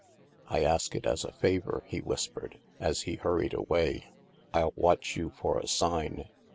" I ask it as a favor," he whispered, as he hurried away. " I'll watch you for a sign.